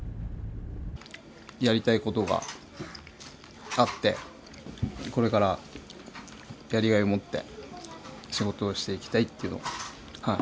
やりたい事があってこれからやりがいを持って仕事をしていきたいっていうのをはい。